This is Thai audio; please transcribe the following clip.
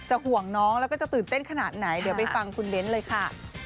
ห่วงน้องแล้วก็จะตื่นเต้นขนาดไหนเดี๋ยวไปฟังคุณเบ้นเลยค่ะ